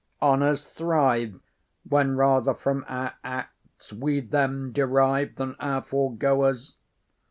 Honours thrive When rather from our acts we them derive Than our fore goers.